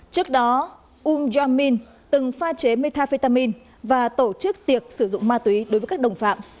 trước đó um jong min từng pha chế metafetamin và tổ chức tiệc sử dụng ma túy đối với các đồng phạm